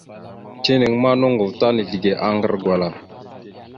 Tenaŋ ma, noŋgov ta nizləge aŋgar gwala.